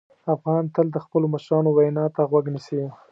افغان تل د خپلو مشرانو وینا ته غوږ نیسي.